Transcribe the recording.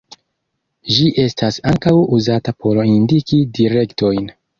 Ĝi estas ankaŭ uzata por indiki direktojn.